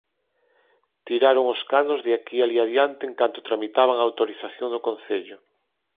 Tiraron os canos de aquí alí adiante en canto tramitaban a autorización no concello